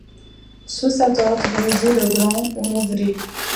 Sous cet autre, Louis dit le Grand, on ouvrit